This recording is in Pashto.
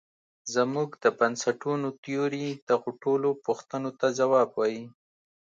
زموږ د بنسټونو تیوري دغو ټولو پوښتونو ته ځواب وايي.